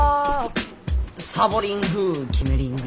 サボリング決めリング？